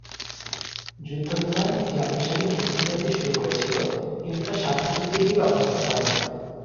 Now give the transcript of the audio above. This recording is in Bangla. যুদ্ধবিমান একটি আনুষ্ঠানিক যুদ্ধবিরতি শুরু করেছিল কিন্তু তা শান্তি চুক্তির দিকে অগ্রসর হয়নি।